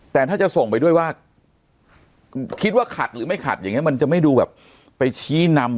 แต่ถ้าจะส่งไปด้วยว่าคิดว่าขัดหรือไม่ขัดอย่างนี้มันจะไม่ดูแบบไปชี้นำ